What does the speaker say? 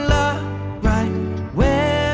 แล้วก็